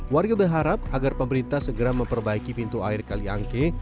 warga berharap agar pemerintah segera memperbaiki pintu air kaliangke